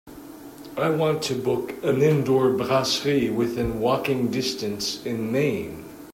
I want to book an indoor brasserie within walking distance in Maine.